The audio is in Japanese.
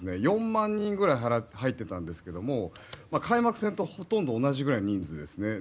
４万人ぐらい入っていたんですが開幕戦とほとんど同じぐらいの人数ですね。